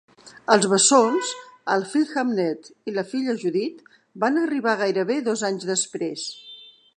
Els bessons, el fill Hamnet i la filla Judith, van arribar gairebé dos anys després.